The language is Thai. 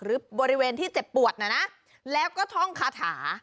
หรือบริเวณที่เจ็บปวดนะนะแล้วก็ท่องคาถา